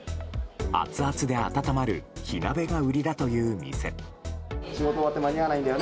アツアツで温まる火鍋が売りだという店。